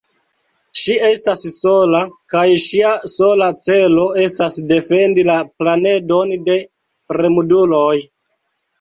Ŝi estas sola, kaj ŝia sola celo estas defendi la planedon de fremduloj.